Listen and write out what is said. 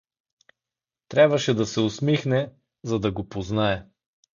Трябваше да се усмихне, за да го познае.